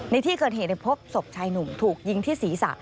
ในที่เกิดเหตุพบศพชายหนุ่มถูกยิงที่ศีรษะ